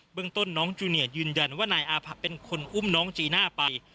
เมืองต้นน้องจูเนียยืนยันว่านายอาผะเป็นคนอุ้มน้องจีน่าไป